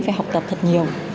phải học tập thật nhiều